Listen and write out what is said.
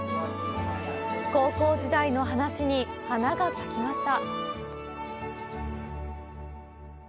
高校時代の話に花が咲きました。